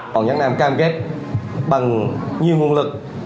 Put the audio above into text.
hoàng nhất nam cam kết bằng nhiều nguồn lực